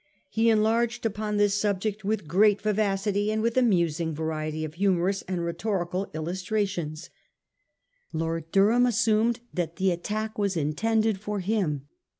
He enlarged upon this subject with great vivacity and with amusing variety of humorous and rhetorical illustration. Lord Durham assumed that the attack was intended for him.